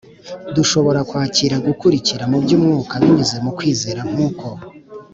Dushobora kwakira gukira mu by’umwuka binyuze mu kwizera nk’uko.